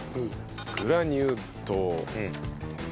グラニュー糖。